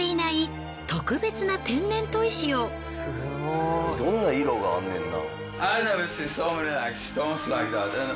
いろんな色があんねんな。